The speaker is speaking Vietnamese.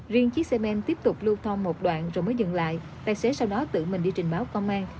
riêng chiếc xe men tiếp tục lưu thông một đoạn rồi mới dừng lại tài xế sau đó tự mình đi trình báo công an